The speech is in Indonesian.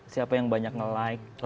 siapa yang banyak nge like